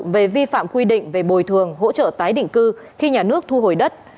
về vi phạm quy định về bồi thường hỗ trợ tái định cư khi nhà nước thu hồi đất